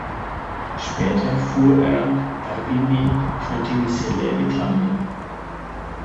Später fuhr er bei Vini Fantini-Selle Italia.